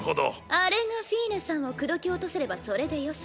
あれがフィーネさんを口説き落とせればそれでよし。